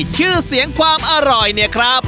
ชื่อเสียงความอร่อยเนี่ยครับ